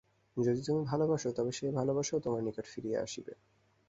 যদি তুমি ভালবাসো, তবে সেই ভালবাসাও তোমার নিকট ফিরিয়া আসিবে।